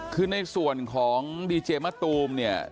คือในส่วนของดีเจมะตูมเนี่ย